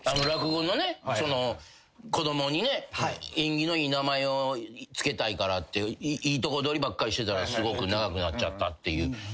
落語のね子供にね縁起のいい名前を付けたいからっていいとこどりばっかりしてたらすごく長くなっちゃったっていう。